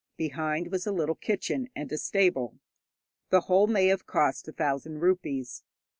Behind was a little kitchen and a stable. The whole may have cost a thousand rupees.